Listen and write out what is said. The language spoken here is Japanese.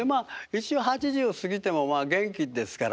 一応８０過ぎても元気ですからね。